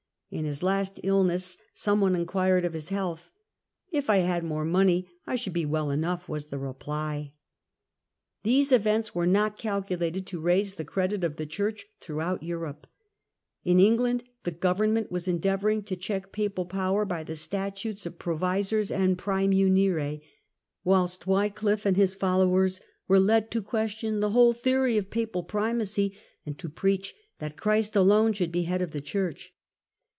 In his last illness some one inquired of his health. " If I had more money I should be well enough," was the reply. These events were not calculated to raise the credit Papacy much ilis of the Church throughout Europe. In England the credited government was endeavouring to check Papal power by the Statutes of Provisors and Praemunire ; whilst Wycliffe and his followers were led to question the whole theory of Papal Primacy and to preach that Christ alone should be head of the Church.